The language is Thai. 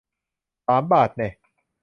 สามบาทแน่ะ